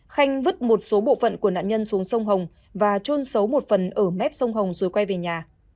khanh vứt một số bộ phận của nạn nhân xuống sông hồng và trôn xấu một phần ở mép sông hồng rồi quay về nhà